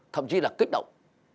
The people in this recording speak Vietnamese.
thậm chí là kích động